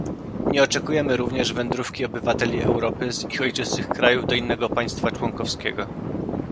Nie oczekujemy również wędrówki obywateli Europy z ich ojczystych krajów do innego państwa członkowskiego